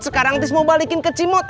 sekarang tis mau balikin ke cimot